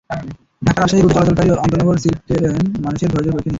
ঢাকা-রাজশাহী রুটে চলাচলকারী আন্তনগর silk city train যেন মানুষের ধৈর্যের পরীক্ষা নিচ্ছে।